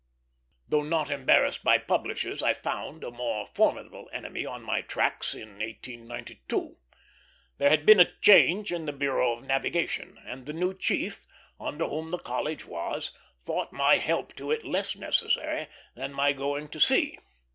Though not embarrassed by publishers, I found a more formidable enemy on my tracks in 1892. There had been a change in the Bureau of Navigation, and the new chief, under whom the College was, thought my help to it less necessary than my going to sea.